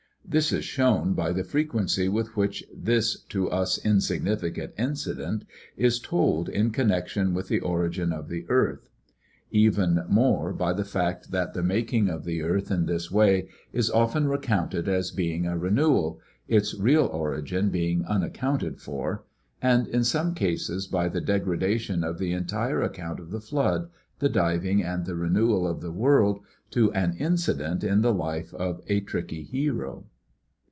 This is shown by the fre quency with which this to us insignificant incident is told in con nection with the origin of the earth; even more by the fact that the making of the earth in this way is often recounted as being a renewal, its real origin being unaccounted for; and in some cases by the degradation of the entire account of the flood, the diving, and the renewal of the world, to an incident in the life of a tricky hero.